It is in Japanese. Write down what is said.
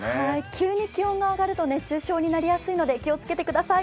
急に気温が上がると熱中症になりやすいので気をつけてください。